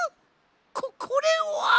ここれは！